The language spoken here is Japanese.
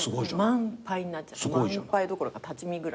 満杯どころか立ち見ぐらい出ちゃって。